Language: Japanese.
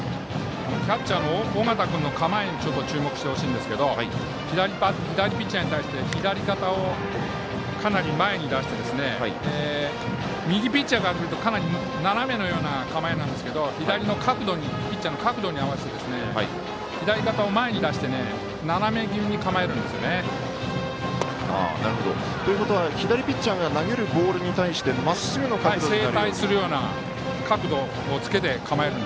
キャッチャーの尾形君の構え注目してほしいんですけど左ピッチャーに対して左肩をかなり前に出して右ピッチャーからすると、かなり斜めのような構えなんですがピッチャーの角度に合わせて左肩を前に出して斜め気味に構えるんですね。ということは左ピッチャーが投げるボールに対してまっすぐの角度がいいと。